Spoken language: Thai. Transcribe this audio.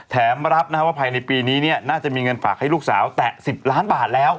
แถมรับว่าภายในปีนี้น่าจะมีเงินฝากให้ลูกสาวแตะ๑๐ล้านบาทแล้ว